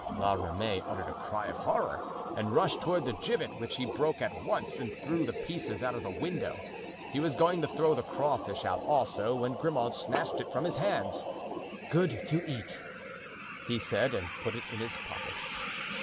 La Ramee uttered a cry of horror and rushed toward the gibbet, which he broke at once and threw the pieces out of the window. He was going to throw the crawfish out also, when Grimaud snatched it from his hands. "Good to eat!" he said, and put it in his pocket.